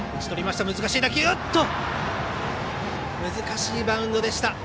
難しいバウンドでした。